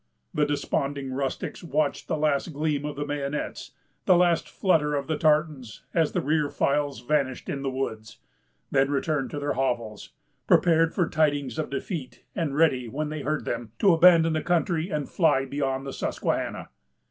The desponding rustics watched the last gleam of the bayonets, the last flutter of the tartans, as the rear files vanished in the woods; then returned to their hovels, prepared for tidings of defeat, and ready, when they heard them, to abandon the country, and fly beyond the Susquehanna.